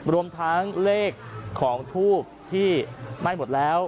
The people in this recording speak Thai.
รวมทั้งเลขของทูบที่ไหม้หมดแล้ว